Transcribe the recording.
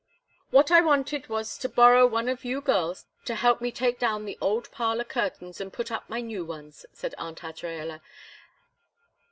"What I wanted was to borrow one of you girls to help me take down the old parlor curtains and put up my new ones," said Aunt Azraella.